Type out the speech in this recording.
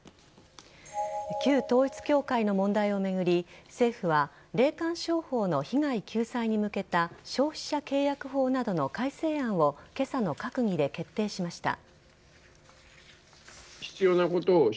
旧統一教会の問題を巡り政府は霊感商法の被害救済に向けた消費者契約法などの改正案を今朝の閣議で決定しました。